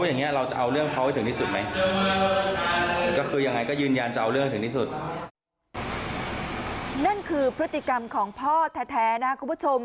นี่คือพฤติกรรมของพ่อแท้นะคุณผู้ชม